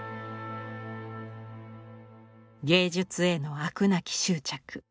芸術への飽くなき執着。